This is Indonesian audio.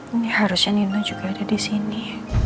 ini harusnya nino juga ada di sini